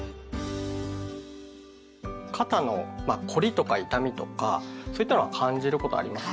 肩のまあ凝りとか痛みとかそういったのは感じることありますか？